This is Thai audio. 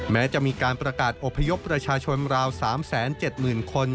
แม้จะมีการประกาศอบพยพประชาชนราว๓๗๐๐๐คน